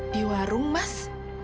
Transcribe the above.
di warung mas